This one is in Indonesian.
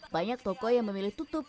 banyak toko yang memilih tutup